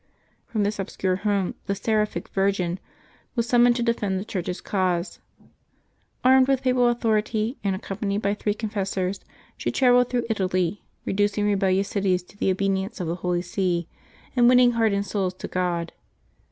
From this obscure home the seraphic virgin was summoned to defend the Churclfs cause. Armed with Papal authority, and accompanied by three confessors, she travelled through Italy, reducing re bellious cities to the obedience of the Holy See, and win ning hardened souls to God.